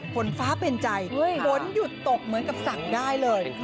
ฝนฟ้าเป็นใจฝนหยุดตกเหมือนกับสั่งได้เลย